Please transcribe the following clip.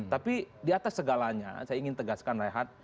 tapi di atas segalanya saya ingin tegaskan rehat